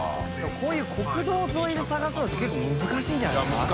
こういう国道沿いで探すのって觜難しいんじゃないですか？